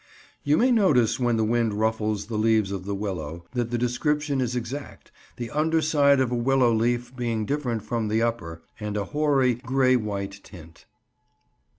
You may notice, when the wind ruffles the leaves of the willow, that the description is exact; the underside of a willow leaf being different from the upper, and of a hoary, grey white tint.